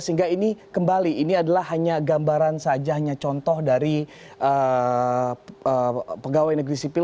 sehingga ini kembali ini adalah hanya gambaran saja hanya contoh dari pegawai negeri sipil